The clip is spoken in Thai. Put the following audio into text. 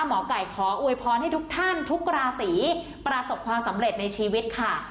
หมอไก่ขออวยพรให้ทุกท่านทุกราศีประสบความสำเร็จในชีวิตค่ะ